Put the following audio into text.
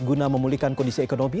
guna memulihkan kondisi ekonomi